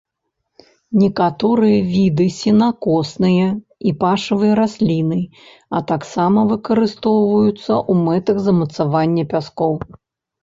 Некаторыя віды сенакосныя і пашавыя расліны, а таксама выкарыстоўваюцца ў мэтах замацавання пяскоў.